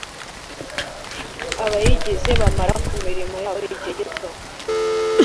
abayigize bamara ku mirimo yabo igihe gito